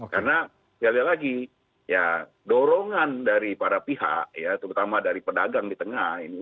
karena sekali lagi dorongan dari para pihak terutama dari pedagang di tengah tengah